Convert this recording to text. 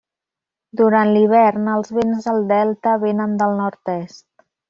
Durant l'hivern els vents al delta vénen del nord-est.